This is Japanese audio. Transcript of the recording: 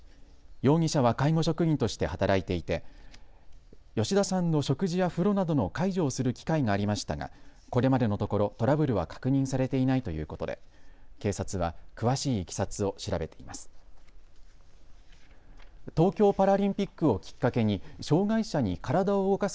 容疑者は介護職員として働いていて吉田さんの食事や風呂などの介助をする機会がありましたがこれまでのところトラブルは確認されていないということで警察は詳しいいきさつを調べています。